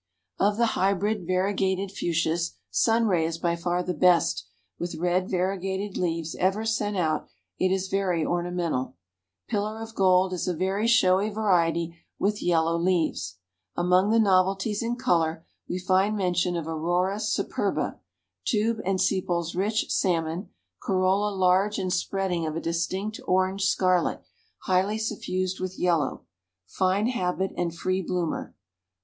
Of the Hybrid variegated Fuchsias, Sunray is by far the best with red variegated leaves ever sent out; it is very ornamental. Pillar of Gold is a very showy variety with yellow leaves. Among the novelties in color, we find mention of Aurora Superba; tube and sepals rich salmon, corolla large and spreading of a distinct orange scarlet highly suffused with yellow, fine habit and free bloomer.